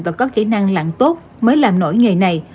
và có kỹ năng lặng tốt mới làm nổi nghề này